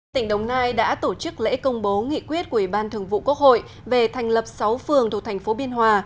tỉnh đồng nai đã tổ chức lễ công bố nghị quyết của ủy ban thường vụ quốc hội về thành lập sáu phường thuộc thành phố biên hòa